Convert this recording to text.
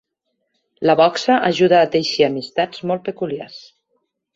La boxa ajuda a teixir amistats molt peculiars.